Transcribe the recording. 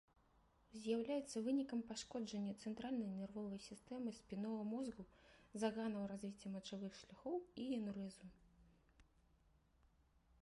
З'яўляецца вынікам пашкоджання цэнтральнай нервовай сістэмы, спіннога мозгу, заганаў развіцця мачавых шляхоў і энурэзу.